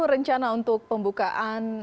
rencana untuk pembukaan